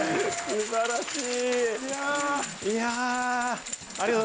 素晴らしい！